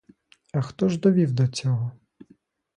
А хто ж довів до цього?